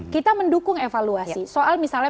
kita mendukung evaluasi soal misalnya